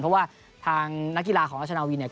เพราะว่าทางนักกีฬาของราชนาวีเนี่ย